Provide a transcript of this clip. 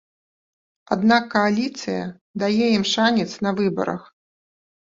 Аднак кааліцыя дае ім шанец на выбарах.